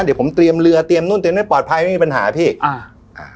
เดี๋ยวผมเตรียมเรือเตรียมนู่นเตรียมให้ปลอดภัยไม่มีปัญหาพี่อ่าอ่า